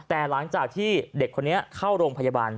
แต่หลังจากที่เด็กคนนี้เข้าโรงพยาบาล